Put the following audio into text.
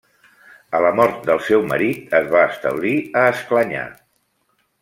A la mort del seu marit es va establir a Esclanyà.